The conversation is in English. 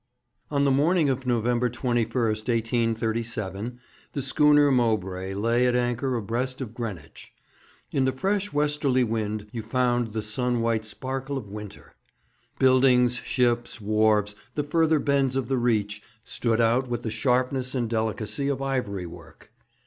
On the morning of November 21, 1837, the schooner Mowbray lay at anchor abreast of Greenwich. In the fresh westerly wind you found the sun white sparkle of winter. Buildings, ships, wharves, the further bends of the Reach, stood out with the sharpness and delicacy of ivory work.